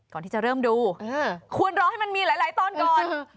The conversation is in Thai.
ก่อนที่จะเริ่มดูควรรอให้มันมีหลายตอนก่อน